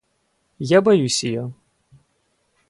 Я боюсь ее!